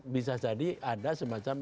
bisa jadi ada semacam